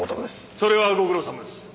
それはご苦労さまです。